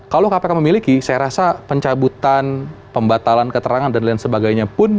kalau kpk memiliki saya rasa pencabutan pembatalan keterangan dan lain sebagainya pun